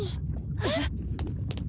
えっ⁉